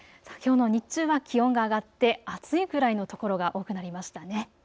きょうの日中は気温が上がって暑いくらいの所が多くなりましたね。